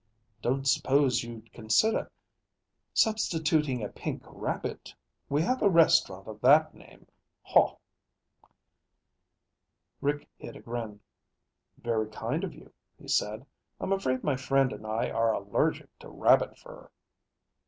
"Don't suppose you'd consider substituting a pink rabbit? We have a restaurant of that name. Haw!" Rick hid a grin. "Very kind of you," he said. "I'm afraid my friend and I are allergic to rabbit fur."